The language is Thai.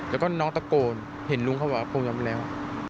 แล้วก็น้องตะโกนเห็นลุงเขาบอกว่าผมยอมแล้ว